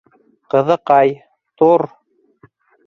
Ҡыҙыҡай, тор!